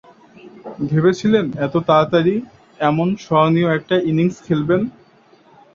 ভেবেছিলেন, এত তাড়াতাড়ি এমন স্মরণীয় একটা ইনিংস খেলবেন?